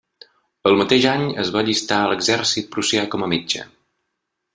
El mateix any es va allistar a l'exèrcit prussià com a metge.